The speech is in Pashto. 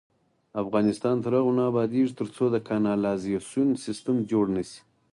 افغانستان تر هغو نه ابادیږي، ترڅو د کانالیزاسیون سیستم جوړ نشي.